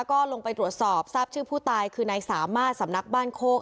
ก็ลงไปตรวจสอบทราบชื่อผู้ตายคือนายสามารถสำนักบ้านโคก